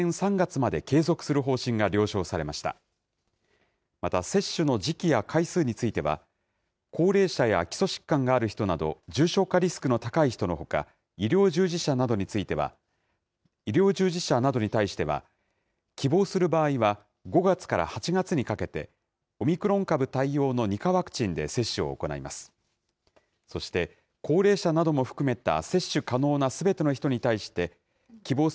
また接種の時期や回数については、高齢者や基礎疾患がある人など、重症化リスクの高い人のほか、医療従事者などに対しては、希望する場合は、５月から８月にかけて、オミクロン株対応の２価ワクチンで接種を行います。